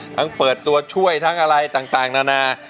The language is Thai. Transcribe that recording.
เปิดตัวช่วยทั้งอะไรต่างนานา